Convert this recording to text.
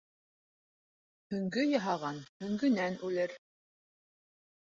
Һөңгө яһаған һөңгөнән үлер.